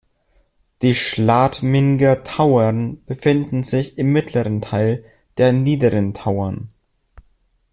Die Schladminger Tauern befinden sich im mittleren Teil der Niederen Tauern.